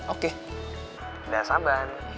oke dah saban